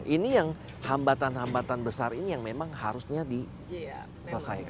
ini yang hambatan hambatan besar ini yang memang harusnya diselesaikan